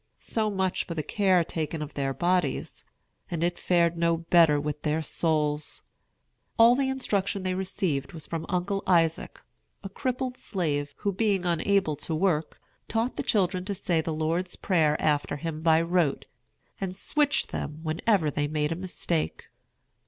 So much for the care taken of their bodies; and it fared no better with their souls. All the instruction they received was from Uncle Isaac, a crippled slave, who, being unable to work, taught the children to say the Lord's Prayer after him by rote, and switched them whenever they made a mistake.